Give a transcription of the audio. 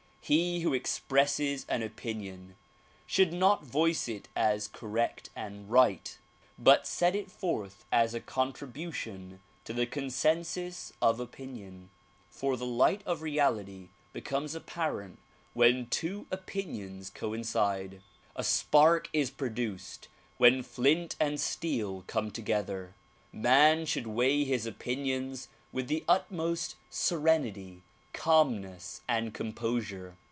He who ex presses an opinion should not voice it as correct and right but set it forth as a contribution to the consensus of opinion ; for the light of reality becomes apparent when two opiiiions coincide. A spark is produced when flint and steel come together. ]\Ian should weigh his opinions with the utmost serenity, calmness and composure.